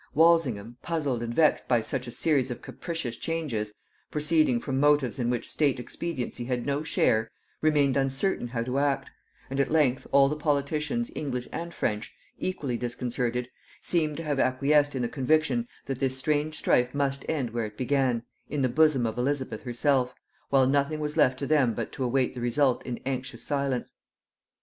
Walsingham, puzzled and vexed by such a series of capricious changes, proceeding from motives in which state expediency had no share, remained uncertain how to act; and at length all the politicians English and French, equally disconcerted, seem to have acquiesced in the conviction that this strange strife must end where it began, in the bosom of Elizabeth herself, while nothing was left to them but to await the result in anxious silence.